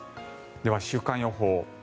では週間予報。